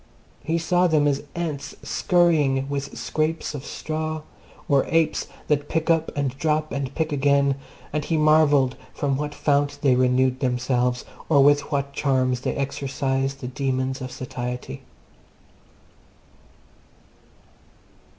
He saw them as ants scurrying with scraps of straw, or apes that pick up and drop and pick again, and he marvelled from what fount they renewed themselves, or with what charms they exorcised the demons of satiety.